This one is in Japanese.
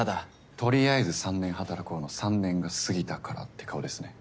とりあえず３年働こうの３年が過ぎたからって顔ですね。